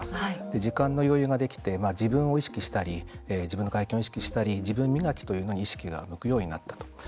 時間の余裕ができて自分の外見を意識したり自分磨きということに意識が向くようになったと。